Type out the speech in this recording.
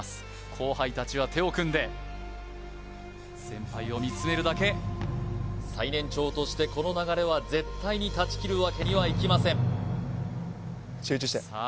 後輩達は手を組んで先輩を見つめるだけ最年長としてこの流れは絶対に断ち切るわけにはいきませんさあ